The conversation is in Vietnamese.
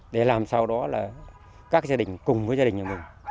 để làm sao đó là các gia đình cùng với gia đình nhà mình